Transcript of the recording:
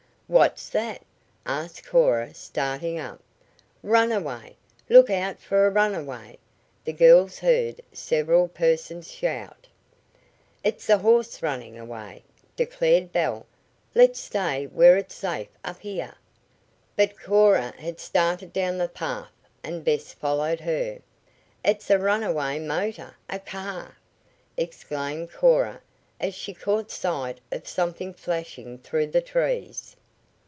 "What's that?" asked Cora, starting up. "Runaway! Look out for the runaway!" the girls heard several persons shout. "It's a horse running `away," declared Belle. "Let's stay where it's safe up here." But Cora had started down the path, and Bess followed her. "It's a runaway motor a car!" exclaimed Cora as she caught sight of something flashing through the trees.